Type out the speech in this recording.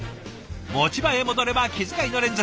持ち場へ戻れば気遣いの連続。